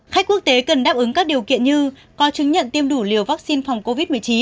khách quốc tế cần đáp ứng các điều kiện như có chứng nhận tiêm đủ liều vaccine phòng covid một mươi chín